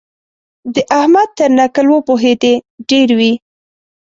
د احمد تر نکل وپوهېدې ډېر وي.